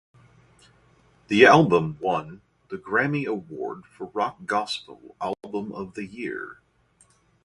The album won the Grammy award for Rock Gospel Album of the Year.